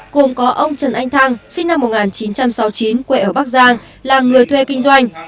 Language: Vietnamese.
gồm có ông trần anh thăng sinh năm một nghìn chín trăm sáu mươi chín quê ở bắc giang là người thuê kinh doanh